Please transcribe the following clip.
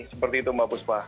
seperti itu mbak buspa